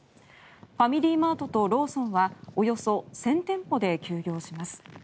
ファミリーマートとローソンはおよそ１０００店舗で休業します。